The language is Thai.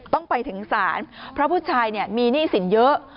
ต้องไปถึงศาลเพราะผู้ชายมีหนี้สินเยอะ